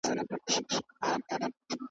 چي پر شرع او قانون ده برابره .